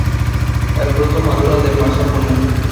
El fruto madura de marzo a junio.